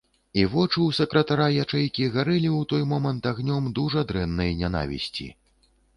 І вочы ў сакратара ячэйкі гарэлі ў той момант агнём дужа дрэннай нянавісці.